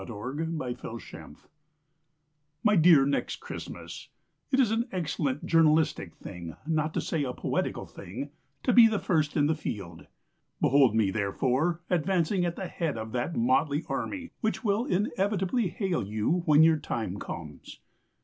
TO NEXT CHRISTMAS My dear Next Christmas, It is an excellent journalistic thing, Not to say a poetical thing, To be first in the field. Behold me, therefore, advancing At the head of that motley army Which will inevitably hail you When your time comes.